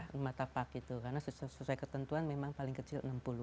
rumah tapak itu karena sesuai ketentuan memang paling kecil enam puluh